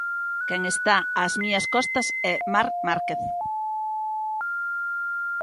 Quen está ás miñas costas é Marc Márquez.